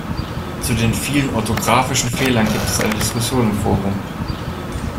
Zu den vielen orthografischen Fehlern gibt es eine Diskussion im Forum.